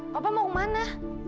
papa mau kemana